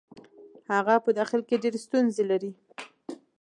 هغه په داخل کې ډېرې ستونزې لري.